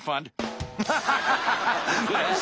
ハハハ！